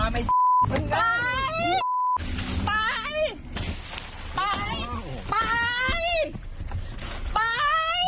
ไปไปไปไป